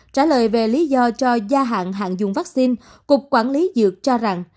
trả lời về lý do cho gia hạn hàng dùng vaccine cục quản lý dược cho rằng